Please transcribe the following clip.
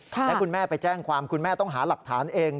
และคุณแม่ไปแจ้งความคุณแม่ต้องหาหลักฐานเอง